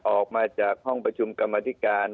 ออกมาจากห้องประชุมกรรมธิการ